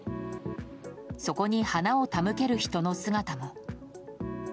そこに花を手向ける人の姿も。